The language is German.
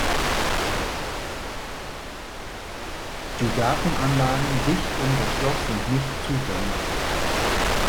Die Gartenanlagen dicht um das Schloss sind nicht zugänglich.